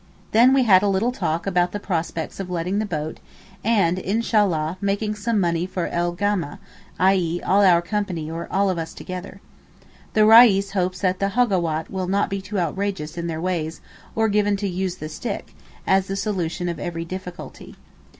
Then we had a little talk about the prospects of letting the boat, and, Inshallah, making some money for el gamma, i.e., 'all our company,' or 'all of us together.' The Reis hopes that the Howagat will not be too outrageous in their ways or given to use the stick, as the solution of every difficulty.